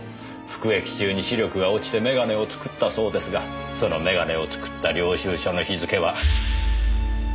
服役中に視力が落ちて眼鏡を作ったそうですがその眼鏡を作った領収証の日付は殺される前日だったんですよ。